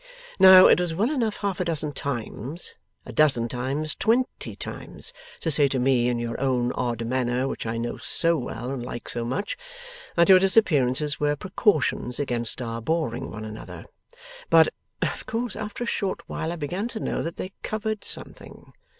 Now it was well enough half a dozen times, a dozen times, twenty times, to say to me in your own odd manner, which I know so well and like so much, that your disappearances were precautions against our boring one another; but of course after a short while I began to know that they covered something.